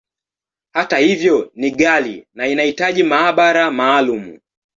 Hata hivyo, ni ghali, na inahitaji maabara maalumu.